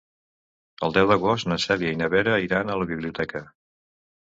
El deu d'agost na Cèlia i na Vera iran a la biblioteca.